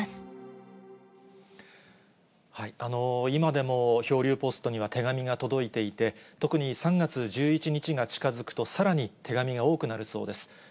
今でも漂流ポストには手紙が届いていて、特に３月１１日が近づくと、さらに手紙が多くなるそうです。